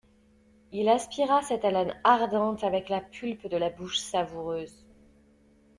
Il aspira cette haleine ardente avec la pulpe de la bouche savoureuse.